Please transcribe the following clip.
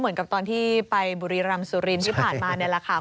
เหมือนกับตอนที่ไปบุรีรำสุรินทร์ที่ผ่านมานี่แหละค่ะ